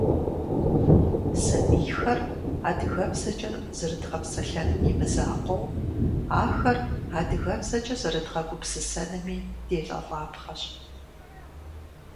Сабийхэр адыгэбзэкӏэ зэрыдгъэпсэлъэным имызакъуэу, ахэр адыгэбзэкӀэ зэрыдгъэгупсысэнми делӀэлӀапхъэщ.